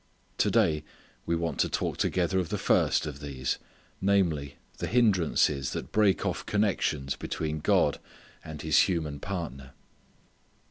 To day we want to talk together of the first of these, namely, the hindrances that break off connections between God and His human partner.